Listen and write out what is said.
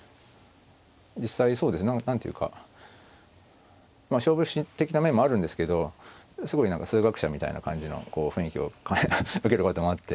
実際何ていうか勝負師的な面もあるんですけどすごい何か数学者みたいな感じの雰囲気を受けることもあって。